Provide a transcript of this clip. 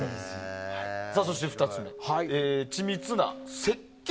そして２つ目、緻密な設計。